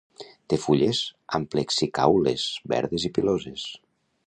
Té fulles amplexicaules, verdes i piloses.